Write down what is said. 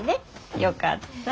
よかった。